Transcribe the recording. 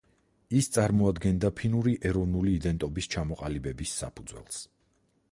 ის წარმოადგენდა ფინური ეროვნული იდენტობის ჩამოყალიბების საფუძველს.